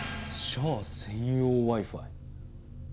シャア専用Ｗｉ−Ｆｉ。